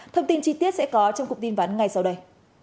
thông tin chi tiết sẽ có trong cục tin ván ngay sau đây